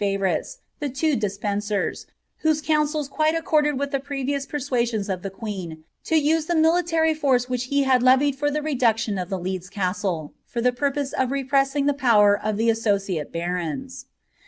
▼ourites, the two Despencers, whose counsels quite accorded with the rerious persuasions of the queen to use the military force which he id levied for the reduction of the Leeds Castle, for the purpose of re pessing the power of the associate barons.